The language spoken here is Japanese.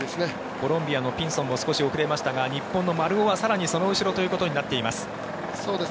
コロンビアのピンソンも少し遅れましたが日本の丸尾は更にその後ろとなっています。